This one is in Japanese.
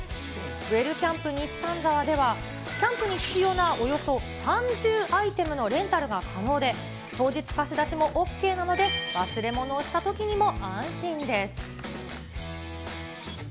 ウェルキャンプ西丹沢では、キャンプに必要なおよそ３０アイテムのレンタルが可能で、当日貸し出しもＯＫなので、忘れ物したときにも安心です。